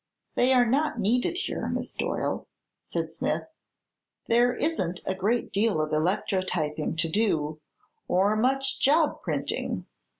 "They are not needed here, Miss Doyle," said Smith. "There isn't a great deal of electrotyping to do, or much job printing.